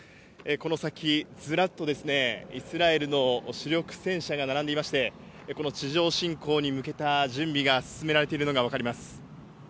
この先、ずらっとイスラエルの主力戦車が並んでいまして地上侵攻に向けた準備が進められているのが分かります。